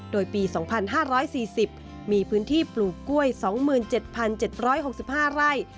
โดยปี๒๕๔๐มีพื้นที่ปลูกกล้วย๒๗๗๖๕ไร่